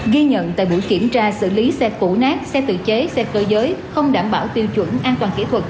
ghi nhận tại buổi kiểm tra xử lý xe phụ nát xe tự chế xe cơ giới không đảm bảo tiêu chuẩn an toàn kỹ thuật